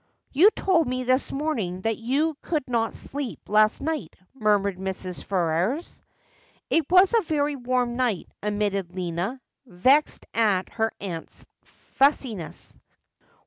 ' You told me this morning that you could not sleep last night,' murmured Mrs. Ferrers. ' It was a very warm night,' admitted Lina, vexed at her aunt's f ussiness.